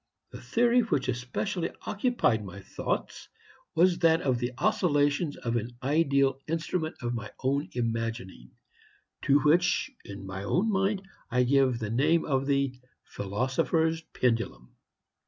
The theory which especially occupied my thoughts was that of the oscillations of an ideal instrument of my own imagining, to which, in my own mind, I gave the name of the Philosopher's Pendulum.